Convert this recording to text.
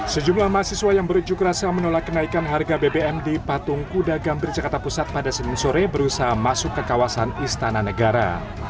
sejumlah mahasiswa yang berujuk rasa menolak kenaikan harga bbm di patung kuda gambir jakarta pusat pada senin sore berusaha masuk ke kawasan istana negara